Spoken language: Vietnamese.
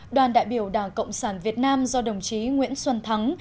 đoàn đại biểu đảng cộng sản việt nam do đồng chí nguyễn xuân thắng